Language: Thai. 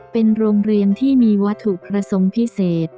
เป็นโรงเรียนที่มีวัตถุประสงค์พิเศษ